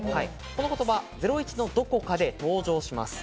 『ゼロイチ』のどこかで登場します。